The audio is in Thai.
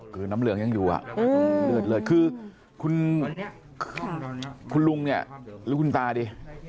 อ๋อคือน้ำเหลืองยังอยู่เลือดคือวันนี้คุณลุงหรือคุณตาร์สิ